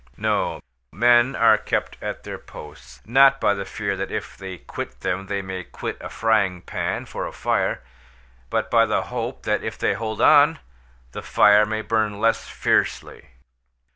No. Men are kept at their posts, not by the fear that if they quit them they may quit a frying pan for a fire, but by the hope that if they hold on, the fire may burn less fiercely.